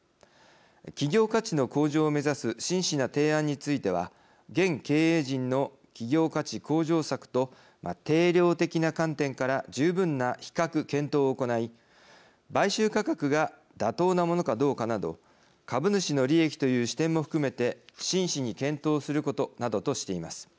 企業価値の向上を目指す真摯な提案については現経営陣の企業価値向上策と定量的な観点から十分な比較検討を行い買収価格が妥当なものかどうかなど株主の利益という視点も含めて真摯に検討することなどとしています。